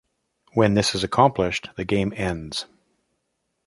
When this is accomplished, the game ends.